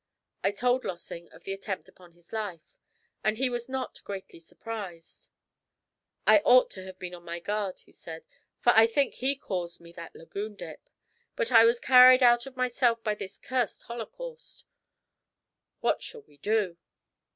I told Lossing of the attempt upon his life, and he was not greatly surprised. 'I ought to have been on my guard,' he said, 'for I think he caused me that lagoon dip. But I was carried out of myself by this cursed holocaust. What shall we do?'